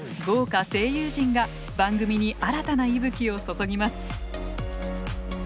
豪華声優陣が番組に新たな息吹を注ぎます。